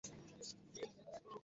আমি ঠিক এখানেই আছি।